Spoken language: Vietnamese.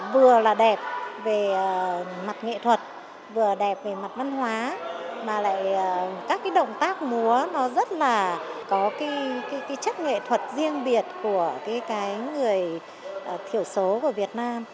vừa là đẹp về mặt nghệ thuật vừa là đẹp về mặt văn hóa mà lại các động tác múa nó rất là có chất nghệ thuật riêng biệt của người thiểu số của việt nam